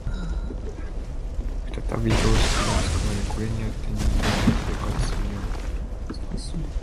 再び常識が作られ、これによって人間は生活するようになる。